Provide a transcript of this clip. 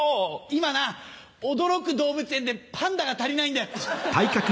今な驚く動物園でパンダが足りないんだよ。